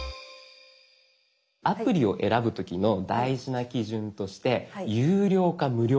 アプリを選ぶ時の大事な基準として有料か無料か。